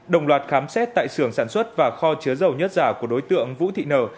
đồng loạt khám xét tại xưởng sản xuất và kho chứa dầu nhất giả của đối tượng vũ thị nở